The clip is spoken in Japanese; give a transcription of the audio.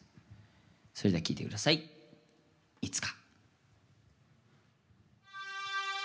それでは聴いて下さい「いつか」。